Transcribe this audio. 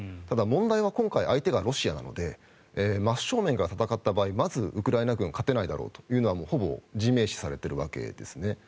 ただ、問題は今回相手がロシアなので真正面から戦った場合まずウクライナ軍は勝てないだろうというのはほぼ自明視されているわけです。